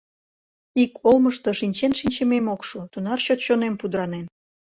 Ик олмышто шинчен шинчымем ок шу, тунар чот чонем пудыранен.